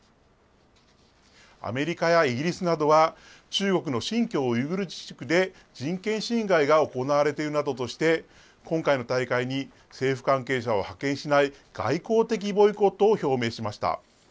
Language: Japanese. アメリカやイギリスなどは、中国の新疆ウイグル自治区で人権侵害が行われているなどとして、今回の大会に政府関係者を派遣しない、外交的ボイコットを表明しました。